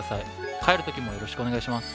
帰る時もよろしくお願いします。